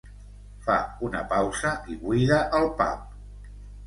Fa una pausa i buida el pap—.